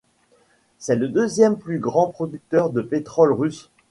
C'est le deuxième plus grand producteur de pétrole russe.